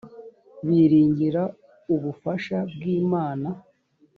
biringira ubufasha bw imana